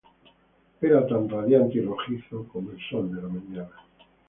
Era tan radiante y rojizo como el sol de la mañana.